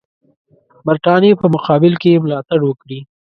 برټانیې په مقابل کې یې ملاتړ وکړي.